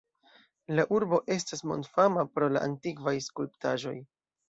La urbo estas mondfama pro la antikvaj skulptaĵoj.